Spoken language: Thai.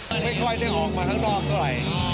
ไม่ค่อยได้ออกมาข้างนอกเท่าไหร่